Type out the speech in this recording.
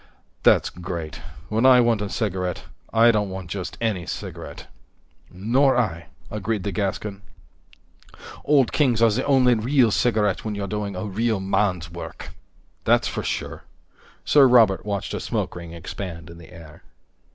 "That's great. When I want a cigarette, I don't want just any cigarette." "Nor I," agreed the Gascon. "Old Kings is the only real cigarette when you're doing a real man's work." "That's for sure." Sir Robert watched a smoke ring expand in the air.